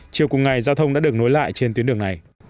chiều cùng ngày giao thông đã được nối lại trên tuyến đường này